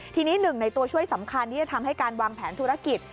ทีนี้หนึ่งในตัวช่วยสำคัญที่จะทำให้การวางแผนธุรกิจ